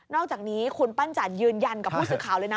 อกจากนี้คุณปั้นจันทร์ยืนยันกับผู้สื่อข่าวเลยนะ